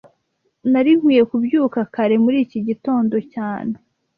Nari nkwiye kubyuka kare muri iki gitondo cyane